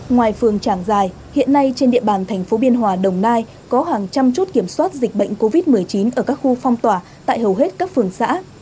ngoài phường trảng giài hiện nay trên địa bàn thành phố biên hòa đồng nai có hàng trăm chốt kiểm soát dịch bệnh covid một mươi chín ở các khu phong tỏa tại hầu hết các phường xã